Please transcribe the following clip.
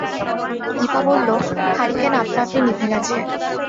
দিপা বলল, হারিকেন আপনা-আপনি নিভে গেছে।